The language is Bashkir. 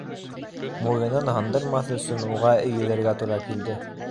Муйынын һындырмаҫ өсөн уға эйелергә тура килде.